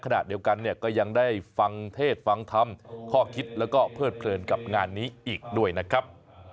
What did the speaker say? ขณะเดียวกันเนี่ยก็ยังได้ฟังเทศฟังธรรมข้อคิดแล้วก็เพิดเพลินกับงานนี้อีกด้วยนะครับ